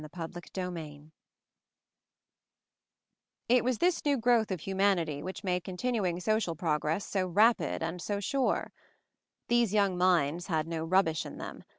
224 MOVING THE MOUNTAIN IT was this new growth of humanity which made continuing social progress so rapid and so sure. These young minds had no rubbish in them.